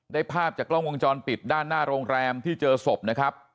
ภาพจากกล้องวงจรปิดด้านหน้าโรงแรมที่เจอศพนะครับ